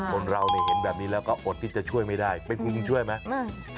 คนเราเนี่ยเห็นแบบนี้แล้วก็อดที่จะช่วยไม่ได้เป็นคุณยังช่วยไหม